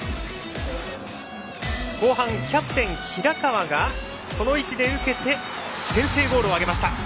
後半、キャプテン平川がこの位置で受けて先制ゴールを挙げました。